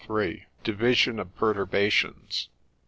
—Division of Perturbations.